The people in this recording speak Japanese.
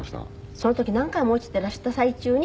その時何回も落ちてらした最中に先生してらした？